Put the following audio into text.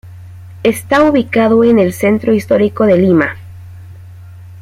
Está ubicado en el centro histórico de Lima.